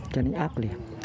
cho nên ác liệt